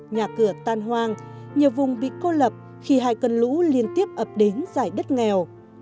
nhà cửa tan hoang nhiều vùng bị cô lập khi hai cơn lũ liên tiếp ập đến giải đất nghèo